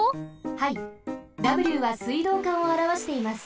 はいＷは水道管をあらわしています。